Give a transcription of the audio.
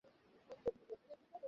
মুহাম্মদ আল্লাহর রাসূল।